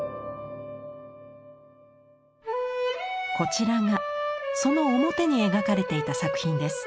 こちらがその表に描かれていた作品です。